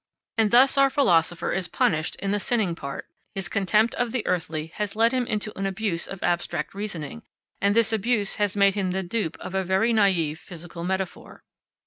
And thus our philosopher is punished in the sinning part; his contempt of the earthly has led him into an abuse of abstract reasoning, and this abuse has made him the dupe of a very naïve physical metaphor.